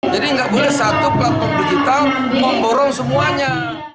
jadi tidak boleh satu pelanggan digital memborong semuanya